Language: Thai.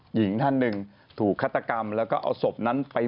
หญิงท่านหนึ่งถูกฆาตกรรมแล้วก็เอาศพนั้นไป